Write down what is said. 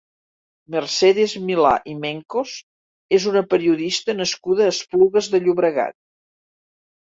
Mercedes Milà i Mencos és una periodista nascuda a Esplugues de Llobregat.